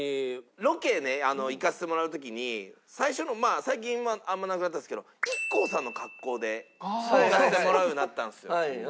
ロケね行かせてもらう時に最初のまあ最近あんまなくなったんですけどＩＫＫＯさんの格好で行かせてもらうようになったんですよ。